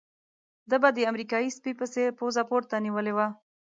ده به د امریکایي سپي په څېر پوزه پورته نيولې وه.